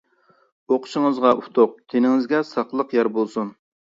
ئوقۇشىڭىزغا ئۇتۇق، تېنىڭىزگە ساقلىق يار بولسۇن!